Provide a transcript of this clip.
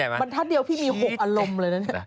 มาท่าเดียวพี่นะได้มี๖อารมณ์เลยนะ